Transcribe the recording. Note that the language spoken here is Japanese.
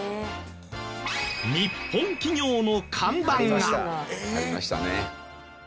日本企業の看板が！ありましたね。